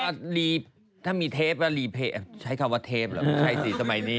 ก็วันนั้นถ้ามีเทปแล้วใช้คำว่าเทปเหรอใช่สิสมัยนี้